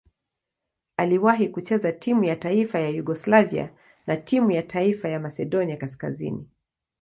Aliwahi kucheza timu ya taifa ya Yugoslavia na timu ya taifa ya Masedonia Kaskazini.